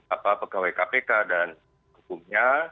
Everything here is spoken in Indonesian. apa pegawai kpk dan hukumnya